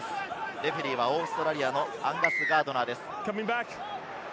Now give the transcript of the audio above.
レフェリーはオーストラリアのアンガス・ガードナーです。